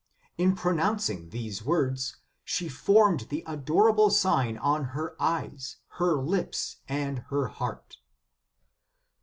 In pronouncing these words, she formed the adorable sign on her eyes, her lips, and her heart."